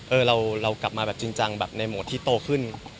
เรากลับมาแบบจริงจังแบบในโหมดที่โตขึ้น